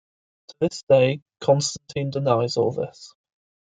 To this day, Constantine denies all this.